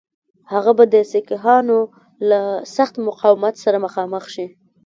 هغه به د سیکهانو له سخت مقاومت سره مخامخ شي.